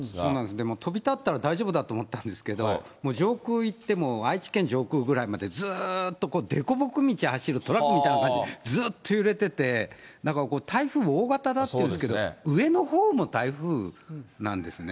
でも、飛び立ったら大丈夫かと思ったんですけれども、もう上空行っても愛知県上空ぐらいまでずっとでこぼこ道走るトラックみたいな感じで、ずっと揺れてて、だからこう、台風も大型だっていうんですけど、上のほうも台風なんですね。